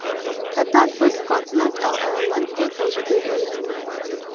کتان په سکاټلند او ایرلنډ کې تولیدېدل.